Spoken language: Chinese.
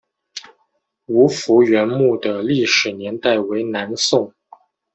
吴福源墓的历史年代为南宋。